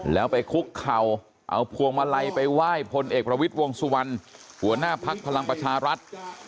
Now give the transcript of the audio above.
แล้วไปคุกเข่าเอาพวงมาลัยไปไหว้พลเอกประวิทย์วงสุวรรณหัวหน้าภักดิ์พลังประชารัฐ